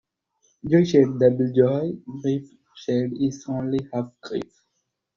Joy shared is double joy; grief shared is only half grief.